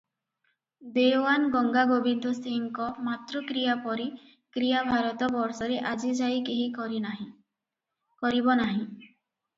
ଦେଓଆନ ଗଙ୍ଗାଗୋବିନ୍ଦ ସିଂହଙ୍କ ମାତୃକ୍ରିୟା ପରି କ୍ରିୟା ଭାରତବର୍ଷରେ ଆଜିଯାଏ କେହି କରିନାହିଁ, କରିବ ନାହିଁ ।